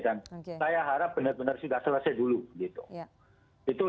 dan saya harap benar benar sudah selesai dulu gitu